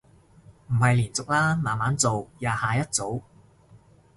唔係連續啦，慢慢做，廿下一組